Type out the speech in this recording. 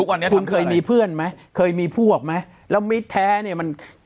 วันนี้คุณเคยมีเพื่อนไหมเคยมีพวกไหมแล้วมิตรแท้เนี่ยมัน